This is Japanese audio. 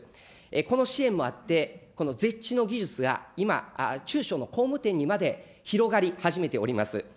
この支援もあって、このゼッチの技術が、今、中小の工務店にまで広がり始めております。